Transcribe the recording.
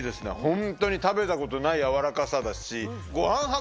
ホントに食べたことないやわらかさだし。